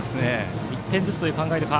１点ずつという考えなのか。